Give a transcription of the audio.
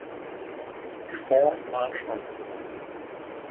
Before March On!